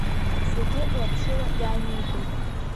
Зегьы лаԥшыла иааимидеит.